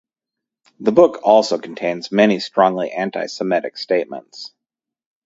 The book also contains many strongly anti-Semitic statements.